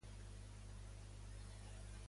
I la de la galeria de Barcelona?